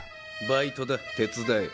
バイトだ手伝え。